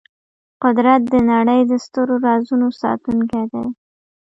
قدرت د نړۍ د سترو رازونو ساتونکی دی.